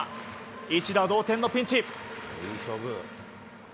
一打同点のピンチ。